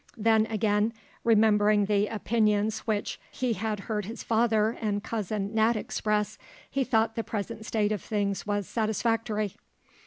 Then again remembering the opinions which he had heard his father and Cousin Nat express, he thought the present state of things was satisfactory.